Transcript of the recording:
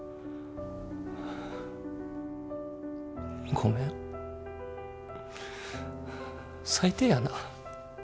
ごめん最低やな。